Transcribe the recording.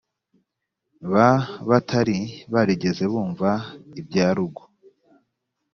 ba batari barigeze bumva iby arugu